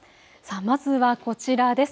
まずはこちらです。